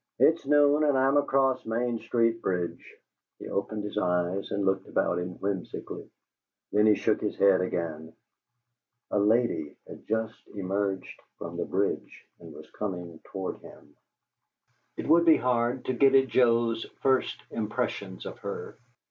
"It's noon and I'm 'across Main Street bridge.'" He opened his eyes and looked about him whimsically. Then he shook his head again. A lady had just emerged from the bridge and was coming toward him. It would be hard to get at Joe's first impressions of her.